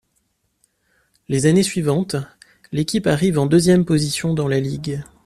Les années suivantes, l'équipe arrive en deuxième position dans la ligue.